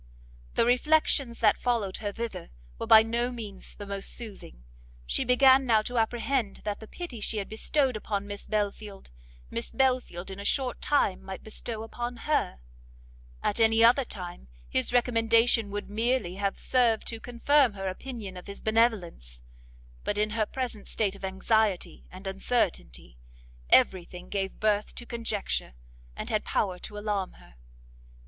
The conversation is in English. The reflections that followed her thither were by no means the most soothing; she began now to apprehend that the pity she had bestowed upon Miss Belfield, Miss Belfield in a short time might bestow upon her; at any other time, his recommendation would merely have served to confirm her opinion of his benevolence, but in her present state of anxiety and uncertainty, every thing gave birth to conjecture, and had power to alarm her.